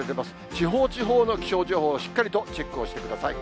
地方地方の気象情報をしっかりとチェックをしてください。